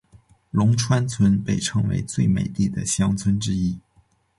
龙川村被称为最美丽的乡村之一。